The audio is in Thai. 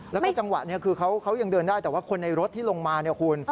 แล้วก็จังหวะนี้คือเขายังเดินได้แต่ว่าคนในรถที่ลงมาเนี่ยคุณ